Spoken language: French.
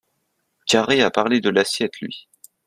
Carré a parlé de l’assiette, lui